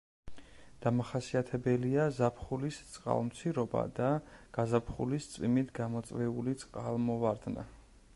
დამახასიათებელია ზაფხულის წყალმცირობა და გაზაფხულის წვიმით გამოწვეული წყალმოვარდნა.